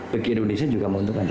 bagi indonesia juga menguntungkan